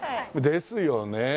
ですよね。